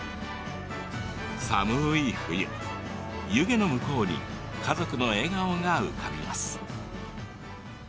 寒い冬、湯気の向こうに家族の笑顔が浮かびます。